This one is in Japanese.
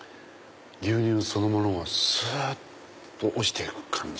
牛乳そのものがすっと落ちて行く感じ。